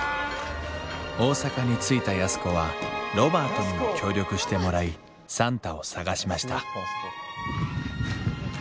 大阪に着いた安子はロバートにも協力してもらい算太を捜しました